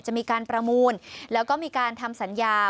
มีการประมูลแล้วก็มีการทำสัญญา